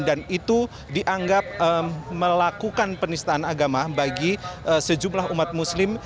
dan itu dianggap melakukan penistaan agama bagi sejumlah umat muslim